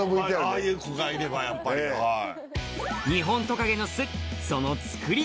ああいう子がいればやっぱりはい。